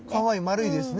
丸いですね。